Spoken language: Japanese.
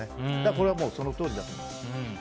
これは、そのとおりだと思います。